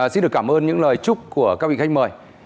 xin được cảm ơn những lời chúc của các vị khách mời